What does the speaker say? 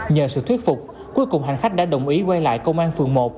nhờ sự thuyết phục cuối cùng hành khách đã đồng ý quay lại công an phường một